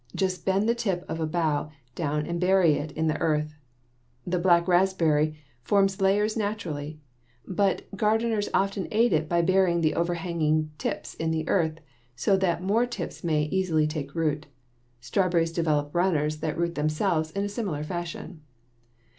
Just bend the tip of a bough down and bury it in the earth (see Fig. 47). The black raspberry forms layers naturally, but gardeners often aid it by burying the over hanging tips in the earth, so that more tips may easily take root. Strawberries develop runners that root themselves in a similar fashion.